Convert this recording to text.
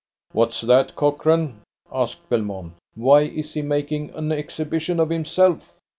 "What's that, Cochrane?" asked Belmont. "Why is he making an exhibition of himself?"